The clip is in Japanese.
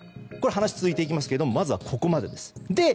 話が続いていきますけどまずはここまでです。